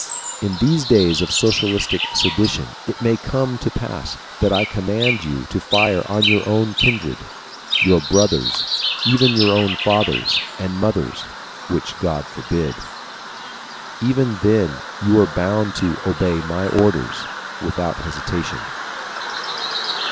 IN THESE DAYS OF SOCIALISTIC SEDITION IT MAY COME TO PASS THAT I COMMAND YOU TO FIRE ON YOUR OWN KINDRED, YOUR BROTHERS, EVEN YOUR OWN FATHERS AND MOTHERS WHICH GOD FORBID! even then you are bound to obey my orders without hesitation."